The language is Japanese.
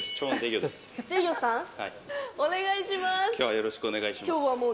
よろしくお願いします。